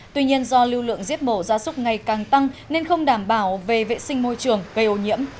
tuy nhiên do lưu lượng diếp mổ gia súc ngày càng tăng nên không đảm bảo về vệ sinh môi trường gây ô nhiễm